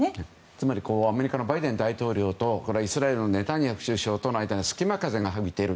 つまりアメリカのバイデン大統領とイスラエルのネタニヤフ首相との間に隙間風が吹いている。